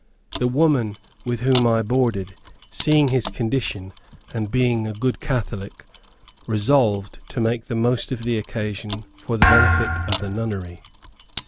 The woman with whom I boarded seeing his condition, and being a good Catholic, resolved to make the most of the occasion for the benefit of the nunnery.